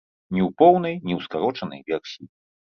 Ні ў поўнай, ні ў скарочанай версіі.